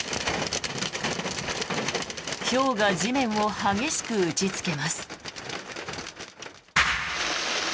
ひょうが地面を激しく打ちつけます。